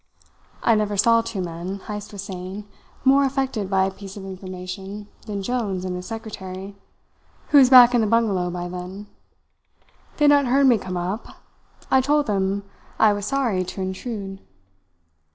"I never saw two men," Heyst was saying, "more affected by a piece of information than Jones and his secretary, who was back in the bungalow by then. They had not heard me come up. I told them I was sorry to intrude.